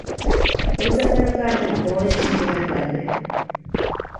Loď zaklenutá dvěma póly křížové klenby.